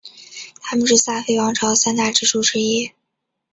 他们是萨非王朝三大支柱之一。